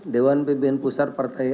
dewan pbn pusat partai